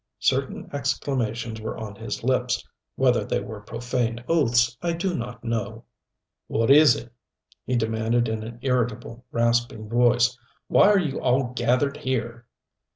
Certain exclamations were on his lips whether they were profane oaths I do not know. "What is it?" he demanded in an irritable, rasping voice. "Why are you all gathered here?"